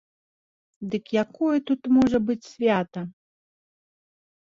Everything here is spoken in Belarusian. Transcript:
Дык якое тут можа быць свята?